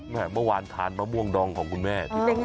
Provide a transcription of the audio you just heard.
เมื่อวานทานมะม่วงดองของคุณแม่ที่เป็น